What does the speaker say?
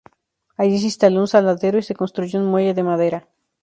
Allí se instaló un saladero y se construyó un muelle de madera.